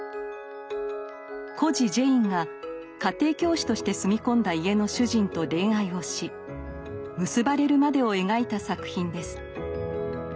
孤児ジェインが家庭教師として住み込んだ家の主人と恋愛をし結ばれるまでを描いた作品です。